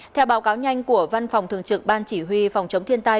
theo báo cáo nhanh của văn phòng thường trực ban chỉ huy phòng chống thiên tai